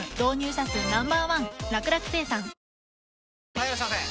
・はいいらっしゃいませ！